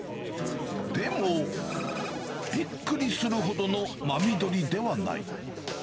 でも、びっくりするほどの真緑ではない。